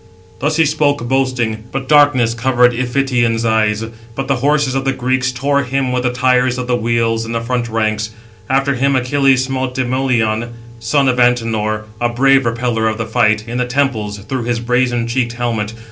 Thus he spoke, boasting; but darkness covered his (Iphition's) eyes, but the horses of the Greeks tore him with the tires of the wheels in the front ranks. After him Achilles smote Demoleon, son of Antenor, a brave repeller of the fight, in the temples, through his brazen cheeked helmet.